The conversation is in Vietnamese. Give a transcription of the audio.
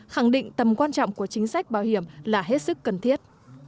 khẳng định tầm quan trọng của chính sách bảo hiểm là hết sức cần thiết